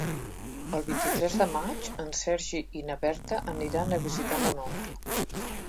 El vint-i-tres de maig en Sergi i na Berta aniran a visitar mon oncle.